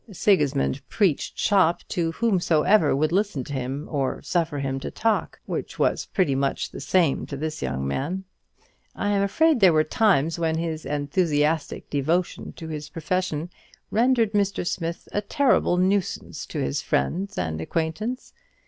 Sigismund preached "shop" to whomsoever would listen to him, or suffer him to talk; which was pretty much the same to this young man. I am afraid there were times when his enthusiastic devotion to his profession rendered Mr. Smith a terrible nuisance to his friends and acquaintance.